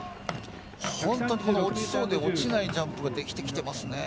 本当に落ちそうで落ちないジャンプができてきてますね。